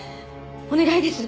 お願いです！